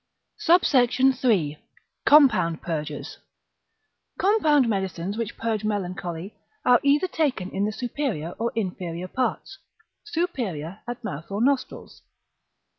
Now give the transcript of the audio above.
SUBSECT. III.—Compound Purgers. Compound medicines which purge melancholy, are either taken in the superior or inferior parts: superior at mouth or nostrils.